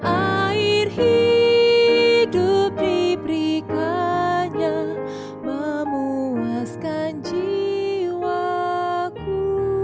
air hidup diberikannya memuaskan jiwaku